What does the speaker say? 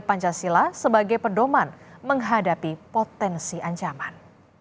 pancasila sebagai pedoman menghadapi potensi ancaman